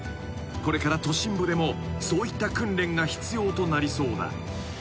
［これから都心部でもそういった訓練が必要となりそうだ］